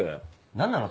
何なの？